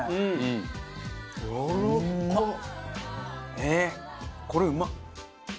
えっこれうまっ！